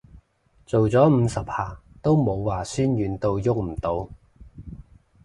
做咗五十下都冇話痠軟到郁唔到